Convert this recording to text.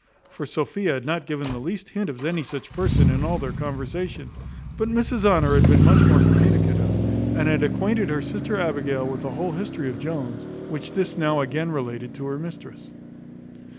For Sophia had not given the least hint of any such person in all their conversation; but Mrs Honour had been much more communicative, and had acquainted her sister Abigail with the whole history of Jones, which this now again related to her mistress.